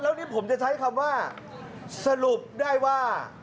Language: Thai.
แล้วนี่ผมจะใช้คำว่าสรุปได้ว่า